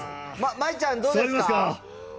舞衣ちゃん、どうですか。